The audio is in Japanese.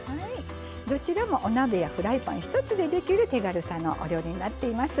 どちらもお鍋やフライパン一つで作れる手軽なお料理になっています。